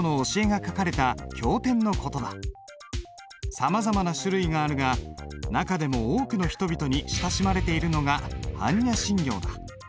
さまざまな種類があるが中でも多くの人々に親しまれているのが般若心経だ。